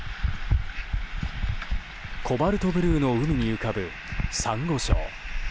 コバルトブルーの海に浮かぶサンゴ礁。